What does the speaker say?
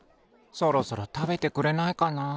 そろそろたべてくれないかな。